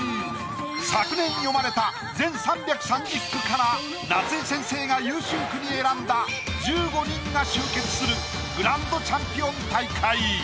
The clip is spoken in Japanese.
昨年詠まれた全３３０句から夏井先生が優秀句に選んだ１５人が集結するグランドチャンピオン大会。